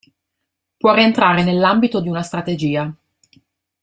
Può rientrare nell'ambito di una strategia.